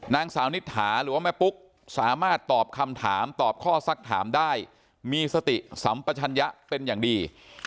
นางสาวนิษฐาหรือว่าแม่ปุ๊กสามารถตอบคำถามตอบข้อสักถามได้มีสติสัมปชัญญะเป็นอย่างดี